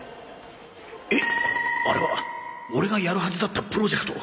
えっ！？あれはオレがやるはずだったプロジェクト